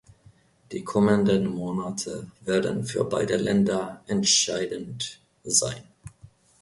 Die kommenden Monate werden für beide Länder entscheidend sein.